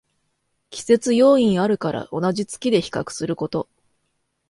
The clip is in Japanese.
季節要因あるから同じ月で比較すること